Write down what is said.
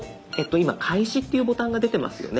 今「開始」っていうボタンが出てますよね。